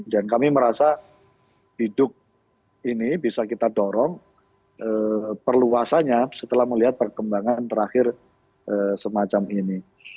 dan kami merasa hidup ini bisa kita dorong perluasanya setelah melihat perkembangan terakhir semacam ini